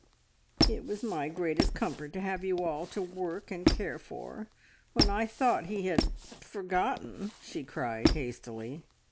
"It was my greatest comfort to have you all to work and care for when I thought he had forgotten!" she cried hastily.